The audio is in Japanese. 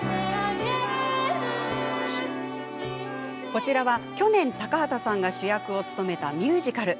こちらは去年、高畑さんが主役を務めたミュージカル。